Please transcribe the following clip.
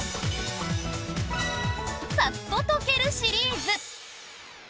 サッととけるシリーズ。